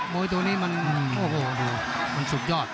วยตัวนี้มันโอ้โหดูมันสุดยอด